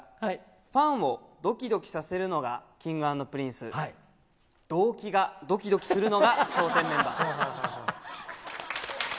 ファンをどきどきさせるのがＫｉｎｇ＆Ｐｒｉｎｃｅ、どうきがどきどきするのが笑点メンバー。